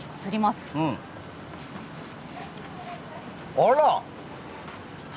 あら！